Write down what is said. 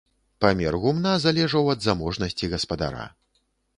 Памер гумна залежаў ад заможнасці гаспадара.